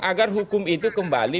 agar hukum itu kembali